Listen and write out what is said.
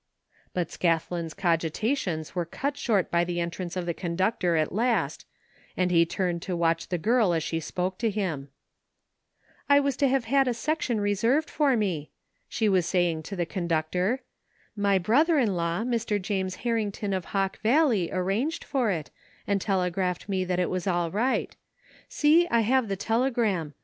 But Scathlin's cogitations were cut short by the entrance of the conductor at last and he turned to watch the girl as she spoke to him. 19 THE FINDING OF JASPER HOLT " I was to have had a section reserved for me," she was saying to the conductor. "My twother in law, Mr. James Harrington of Hawk Valley, arranged for it, and telegraphed me that it was all right. See, I have the telegram.